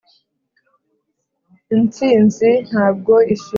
intsinzi ntabwo ishinja.